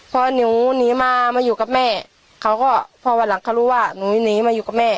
พอหนูหนีมามาอยู่กับแม่เขาก็พอวันหลังเขารู้ว่าหนูหนีมาอยู่กับแม่